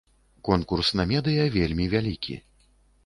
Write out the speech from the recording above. Конкурс на медыя вельмі вялікі.